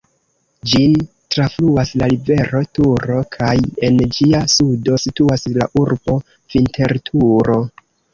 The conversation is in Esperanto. Ĝin trafluas la rivero Turo kaj en ĝia sudo situas la urbo Vinterturo.